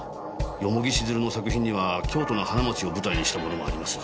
蓬城静流の作品には京都の花街を舞台にしたものもあります。